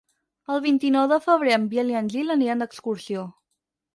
El vint-i-nou de febrer en Biel i en Gil aniran d'excursió.